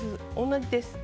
同じです。